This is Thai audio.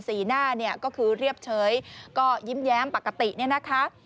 สีหน้าก็คือเรียบเฉยก็ยิ้มแย้มปกตินี่นะคะ